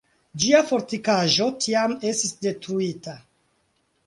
Ĝia fortikaĵo tiam estis detruita.